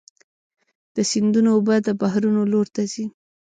د سیندونو اوبه د بحرونو لور ته ځي.